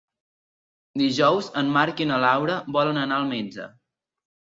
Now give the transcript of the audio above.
Dijous en Marc i na Laura volen anar al metge.